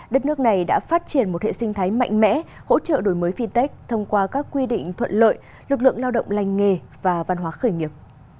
đất nước này đã phát triển một hệ sinh thái mạnh mẽ hỗ trợ đổi mới fintech thông qua các quy định thuận lợi lực lượng lao động lành nghề và văn hóa khởi nghiệp